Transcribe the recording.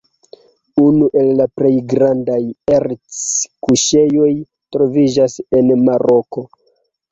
Unu el la plej grandaj erc-kuŝejoj troviĝas en Maroko.